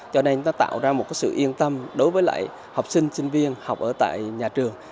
cho nên nó tạo ra một sự yên tâm đối với lại học sinh sinh viên học ở tại nhà trường